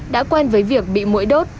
đã quen với việc bị mũi đốt